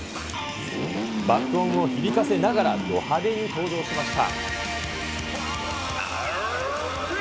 爆音を響かせながらど派手に登場しました。